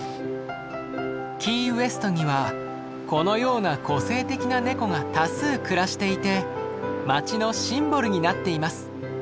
キーウェストにはこのような個性的なネコが多数暮らしていて町のシンボルになっています。